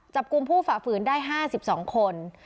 จับกลุ่มผู้ฝ่าฝืนได้๕๒คน